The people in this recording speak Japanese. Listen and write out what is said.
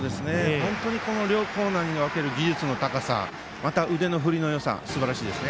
両コーナーに分ける技術の高さまた、腕の振りのよさすばらしいです。